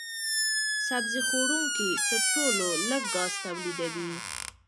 سبزي خوړونکي تر ټولو لږ ګاز تولیدوي.